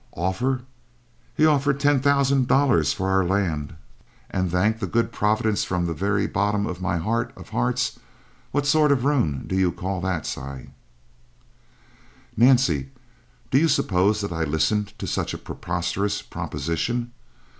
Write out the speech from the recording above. "Offer? He offered $10,000 for our land, and " "Thank the good providence from the very bottom of my heart of hearts! What sort of ruin do you call that, Si!" "Nancy, do you suppose I listened to such a preposterous proposition?